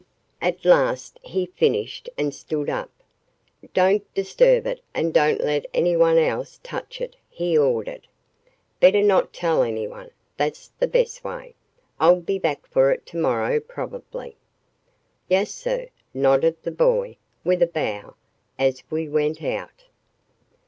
At last he finished and stood up. "Don't disturb it and don't let anyone else touch it," he ordered. "Better not tell anyone that's the best way. I'll be back for it tomorrow probably." "Yas sah," nodded the boy, with a bow, as we went out.